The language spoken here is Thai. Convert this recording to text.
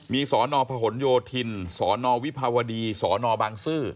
มีสอนอผนโยธินสอนอวิภาวดีสอนอบังซื้อ